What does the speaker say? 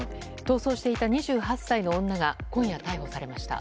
逃走していた２８歳の女が今夜、逮捕されました。